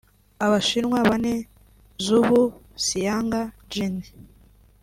Abashinwa bane Zhu Xiang Jin